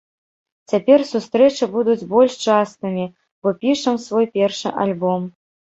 Цяпер сустрэчы будуць больш частымі, бо пішам свой першы альбом.